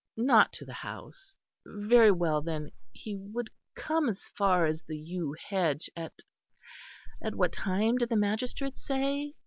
not to the house; very well, then, he would come as far as the yew hedge at at what time did the magistrate say?